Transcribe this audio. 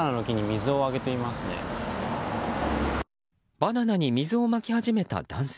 バナナに水をまき始めた男性。